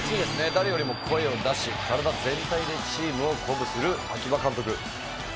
誰よりも声を出し体全体でチームを鼓舞する秋葉監督。